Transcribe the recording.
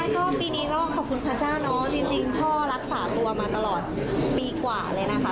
ก็ปีนี้ก็ขอบคุณพระเจ้าเนอะจริงพ่อรักษาตัวมาตลอดปีกว่าเลยนะคะ